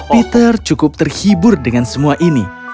peter cukup terhibur dengan semua ini